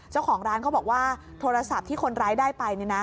เจ้าของร้านเขาบอกว่าโทรศัพท์ที่คนร้ายได้ไป